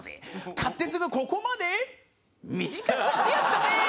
買ってすぐここまで短くしてやったぜ！